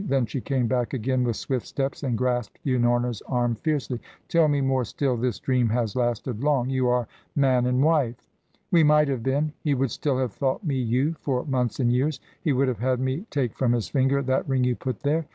Then she came back again with swift steps and grasped Unorna's arm fiercely. "Tell me more still this dream has lasted long you are man and wife!" "We might have been. He would still have thought me you, for months and years. He would have had me take from his finger that ring you put there.